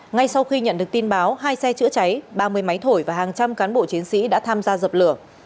ngay sau khi nhận được tin báo hai xe chữa cháy ba mươi máy thổi và hàng trăm cán bộ chiến sĩ đã tham gia dập lửa